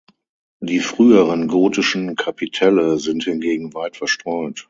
Die früheren gotischen Kapitelle sind hingegen weit verstreut.